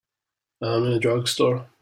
I'm in a drugstore.